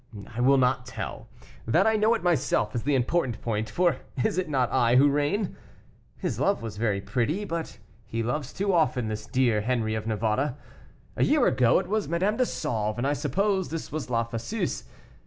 I will not tell; that I know it myself is the important point, for is it not I who reign? His love was very pretty, but he loves too often, this dear Henri of Navarre. A year ago it was Madame de Sauve, and I suppose this was La Fosseuse.